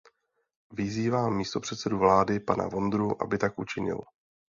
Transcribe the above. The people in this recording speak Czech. Vyzývám místopředsedu vlády pana Vondru, aby tak učinil.